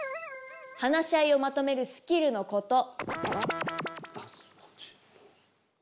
話し合いをまとめるスキルのこと。